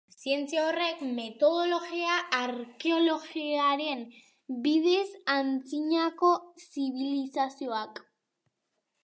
Zientzia horrek metodologia arkeologikoaren bidez antzinako zibilizazioak ikertzen ditu.